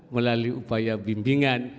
melalui upaya bimbingan